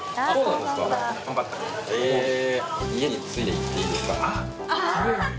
そうなんですか。